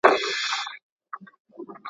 چي د هغه د ژوند نظریه په کار اچول سوې ده